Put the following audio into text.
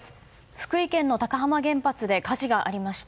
福井県の高浜原発で火事がありました。